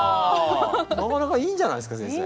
なかなかいいんじゃないすか先生？